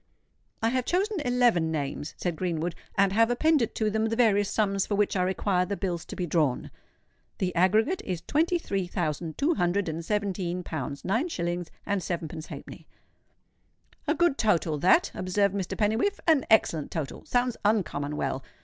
"I have chosen eleven names," said Greenwood; "and have appended to them the various sums for which I require the bills to be drawn. The aggregate is twenty three thousand two hundred and seventeen pounds, nine shillings, and sevenpence halfpenny." "A good total, that," observed Mr. Pennywhiffe,—"an excellent total—sounds uncommon well.